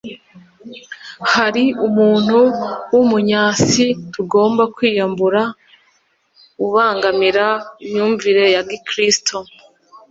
hari umuntu w’umunyasi tugomba kwiyambura ubangamira imyumvire ya gikristu